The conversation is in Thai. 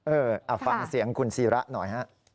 เออฟังเสียงคุณซีระหน่อย